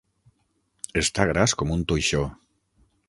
Està gras com un toixó.